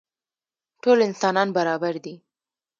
ټول انسانان برابر دي.